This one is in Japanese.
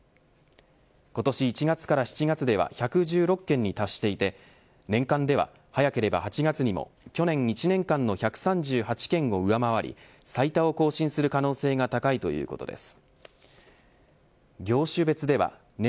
今年１月から７月では１１６件に達していて年間では早ければ８月にも去年１年間の１３８件を上回り最多を更新する可能性が高いということです。